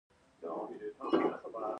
ایا زه باید د سترګو عملیات وکړم؟